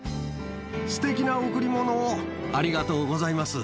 すてきな贈り物をありがとうございます。